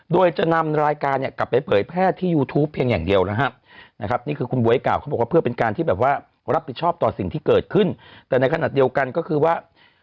โดยจะนำรายการเนี่ยกลับไปเผยแพร่ที่ยูทูปเพียงอย่างเดียวนะครับนี่คือคุณบ๊วยกล่าวเขาบอกว่าเพื่อเป็นการที่แบบว่ารับผิดชอบต่อสิ่งที่เกิดขึ้นแต่ในขณะเดียวกันก็คือว่า